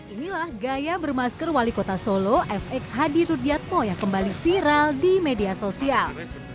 inilah gaya bermasker wali kota solo fx hadi rudiatmo yang kembali viral di media sosial